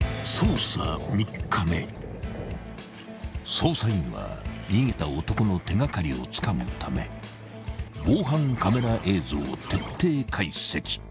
［捜査員は逃げた男の手掛かりをつかむため防犯カメラ映像を徹底解析！］